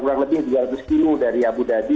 kurang lebih dua ratus kilo dari abu dhabi